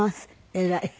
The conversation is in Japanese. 偉い。